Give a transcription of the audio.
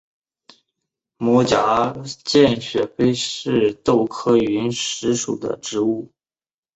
膜荚见血飞是豆科云实属的植物。